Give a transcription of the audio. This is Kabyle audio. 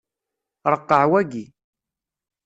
Ṛeqqeɛ waki.